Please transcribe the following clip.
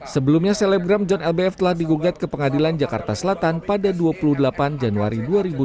sebelumnya selebgram john lbf telah digugat ke pengadilan jakarta selatan pada dua puluh delapan januari dua ribu dua puluh